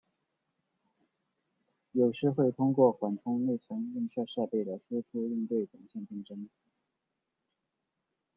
有时会通过缓冲内存映射设备的输出应对总线竞争。